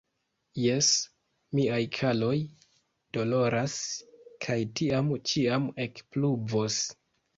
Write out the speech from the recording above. Jes, miaj kaloj doloras, kaj tiam ĉiam ekpluvos.